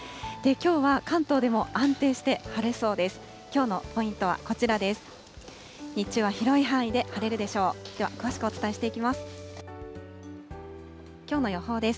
きょうは関東でも安定して晴れそうです。